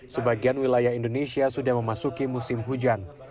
sebagian wilayah indonesia sudah memasuki musim hujan